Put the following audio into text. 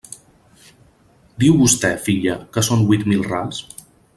Diu vostè, filla, que són huit mil rals?